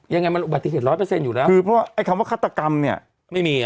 ยังไงมันอุบัติเหตุร้อยเปอร์เซ็นต์อยู่แล้วคือเพราะว่าไอ้คำว่าฆาตกรรมเนี่ยไม่มีอ่ะ